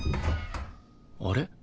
あれ？